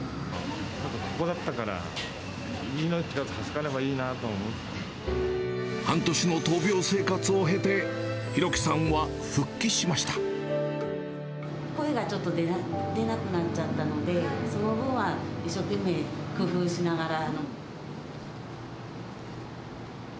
ここだったから、半年の闘病生活を経て、声がちょっと出なくなっちゃったので、その分は一生懸命、工夫しながら。